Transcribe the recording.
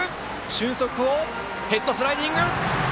俊足でヘッドスライディング！